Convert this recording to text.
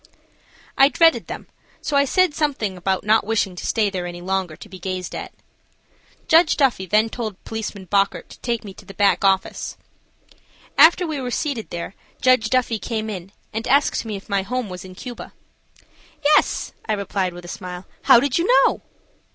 I dreaded them, so I said something about not wishing to stay there any longer to be gazed at. Judge Duffy then told Policeman Bockert to take me to the back office. After we were seated there Judge Duffy came in and asked me if my home was in Cuba. "Yes," I replied, with a smile. "How did you know?"